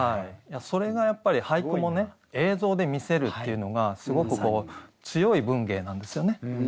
それがやっぱり俳句も映像で見せるっていうのがすごく強い文芸なんですよね。